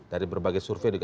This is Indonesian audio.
dari berbagai survei juga